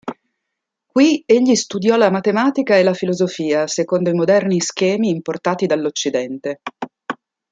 Qui egli studiò la matematica e la filosofia secondo i moderni schemi importati dall'Occidente.